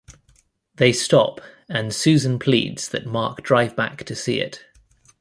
They stop, and Susan pleads that Mark drive back to see it.